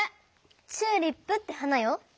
チューリップって花よ。